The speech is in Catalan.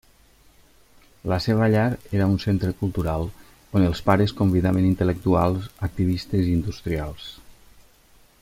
La seva llar era un centre cultural on els pares convidaven intel·lectuals, activistes i industrials.